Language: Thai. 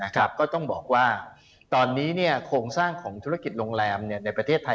ก็ต้องบอกว่าตอนนี้โครงสร้างของธุรกิจโรงแรมในประเทศไทย